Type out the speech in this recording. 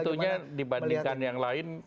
tentunya dibandingkan yang lain